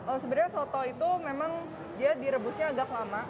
oh sebenarnya soto itu memang dia direbusnya agak lama